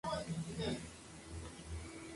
Se iniciaron las obras en el exterior.